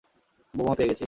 বোমা পেয়ে গেছি।